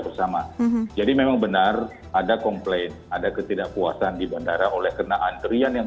bersama jadi memang benar ada komplain ada ketidakpuasan di bandara oleh kena antrian yang